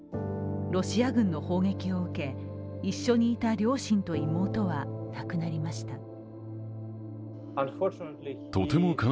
ロシア軍の砲撃を受け一緒にいた両親と妹は亡くなりました。